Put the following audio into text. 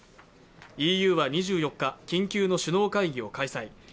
ＥＵは２４日緊急の首脳会議を開催。